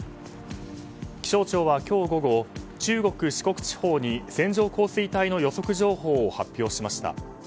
気象庁は今日午後中国・四国地方に線状降水帯の予測情報を発表しました。